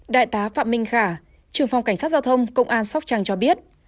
đại tá phạm minh khả trưởng phòng cảnh sát giao thông công an sóc trăng cho biết